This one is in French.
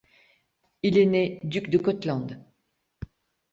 Il est né Duc de Gotland.